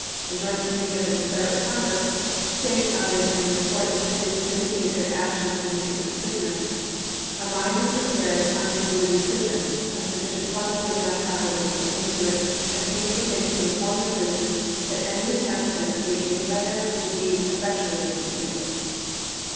A joint committee of the Confederate Congress say of it in a report intended to vindicate their action in the treatment of prisoners, " A mine was prepared under the Libby prison ; a sufficient quantity of gunpowder was put into it, and pains were taken to inform the prisoners that any attempt at escape made by them would be effectually defeated."